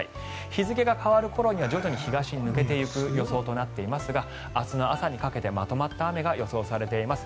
日付が変わる頃には徐々に東へ抜けていく予想となっていますが明日の朝にかけてまとまった雨が予想されています。